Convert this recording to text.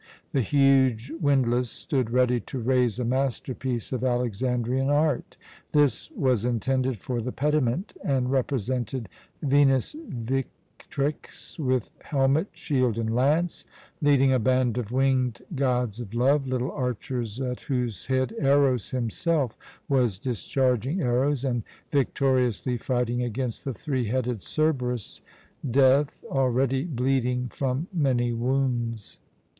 The huge windlass stood ready to raise a masterpiece of Alexandrian art. This was intended for the pediment, and represented Venus Victrix with helmet, shield, and lance, leading a band of winged gods of love, little archers at whose head Eros himself was discharging arrows, and victoriously fighting against the three headed Cerberus, death, already bleeding from many wounds.